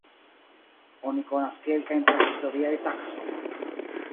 Oni konas kelkajn prahistoriaj taksonoj.